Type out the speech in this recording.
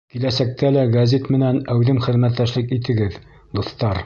Киләсәктә лә гәзит менән әүҙем хеҙмәттәшлек итегеҙ, дуҫтар.